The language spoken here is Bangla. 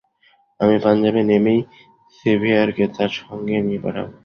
আমি পাঞ্জাবে নেমেই সেভিয়ারকে তার সঙ্গে দিয়ে পাঠাব।